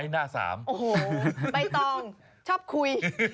โอ้โหใบตองชอบคุย